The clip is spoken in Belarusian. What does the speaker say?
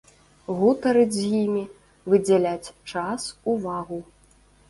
Гутарыць з імі, выдзяляць час, увагу.